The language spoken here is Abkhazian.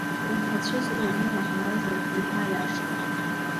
Ухы ацәыӡра уамеилаҳауазар, иҳәа аиаша…